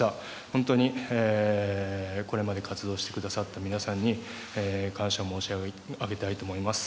本当に、これまで活動してくださった皆さんに感謝を申し上げたいと思います。